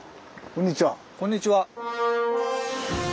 こんにちは。